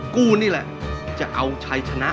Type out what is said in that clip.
กู้นี่แหละจะเอาชัยชนะ